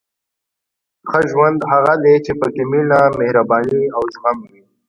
• ښه ژوند هغه دی چې پکې مینه، مهرباني او زغم وي.